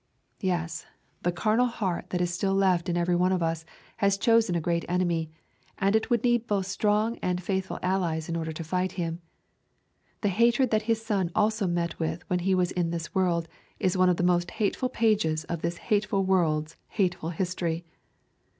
Yes, this carnal heart that is still left in every one of us has chosen a great enemy, and it would need both strong and faithful allies in order to fight him. The hatred that His Son also met with when He was in this world is one of the most hateful pages of this hateful world's hateful history.